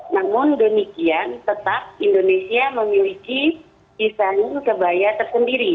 namun demikian tetap indonesia memiliki desain kebaya tersendiri